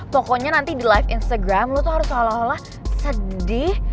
pokoknya nanti di live instagram lo tuh harus ala ala sedih